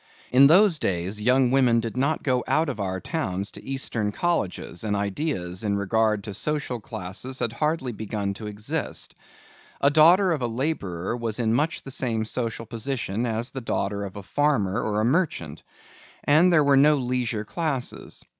In those days young women did not go out of our towns to Eastern colleges and ideas in regard to social classes had hardly begun to exist. A daughter of a laborer was in much the same social position as a daughter of a farmer or a merchant, and there were no leisure classes.